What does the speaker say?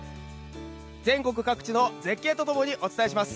全国各地の絶景とともにお伝えします。